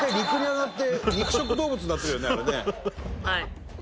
はい。